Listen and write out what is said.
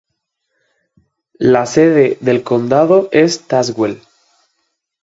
La sede del condado es Tazewell.